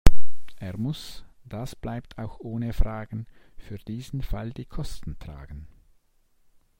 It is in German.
Er muss, das bleibt auch ohne Fragen, für diesen Fall die Kosten tragen.